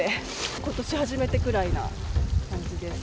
ことし初めてくらいな感じです。